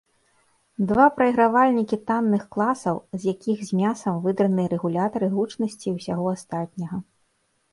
Два прайгравальнікі танных класаў, з якіх з мясам выдраныя рэгулятары гучнасці і ўсяго астатняга.